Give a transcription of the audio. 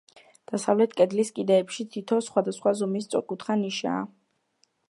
დასავლეთ კედლის კიდეებში თითო სხვადასხვა ზომის სწორკუთხა ნიშაა.